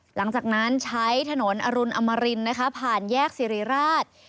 หลังจากนั้นใช้ถนนอรุณอมรินนะคะผ่านแยกสิริราช